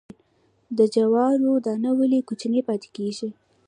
د جوارو دانه ولې کوچنۍ پاتې کیږي؟